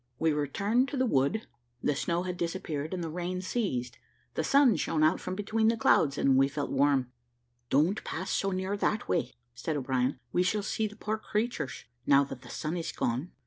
We returned to the wood; the snow had disappeared, and the rain ceased; the sun shone out from between the clouds, and we felt warm. "Don't pass so near that way," said O'Brien, "we shall see the poor creatures, now that the sun is gone.